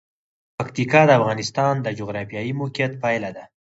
پکتیکا د افغانستان د جغرافیایي موقیعت پایله ده.